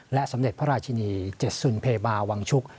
สมเด็จพระราชินีเจ็ดสุนเพบาวังชุก